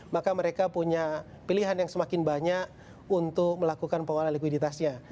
maka mereka punya pilihan yang semakin banyak untuk melakukan pengelolaan likuiditasnya